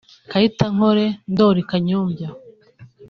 Kayitankore Ndjoli (Kanyombya)